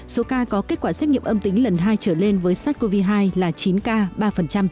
số ca có kết quả xét nghiệm âm tính lần hai trở lên với sars cov hai là chín ca ba